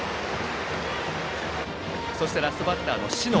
そしてラストバッターの小竹。